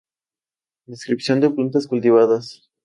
Descripción de plantas cultivadas.